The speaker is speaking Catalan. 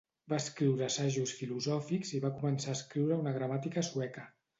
Va escriure assajos filosòfics i va començar a escriure una gramàtica sueca.